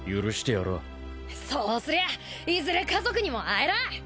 そうすりゃいずれ家族にも会えらあ！